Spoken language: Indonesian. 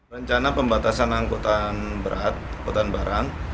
rencana pembatasan angkutan barang